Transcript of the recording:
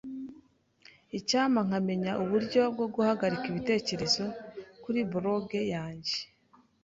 Icyampa nkamenya uburyo bwo guhagarika ibitekerezo kuri blog yanjye.